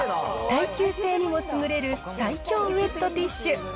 耐久性にも優れる最強ウエットティッシュ。